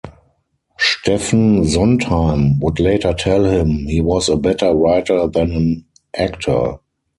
Stephen Sondheim would later tell him he was a better writer than an actor.